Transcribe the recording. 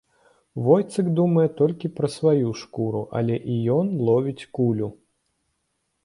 Войцік думае толькі пра сваю шкуру, але і ён ловіць кулю.